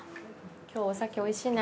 今日お酒おいしいね。